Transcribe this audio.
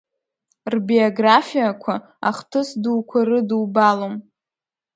Рбиографиақәа ахҭыс дуқәа рыдубалом.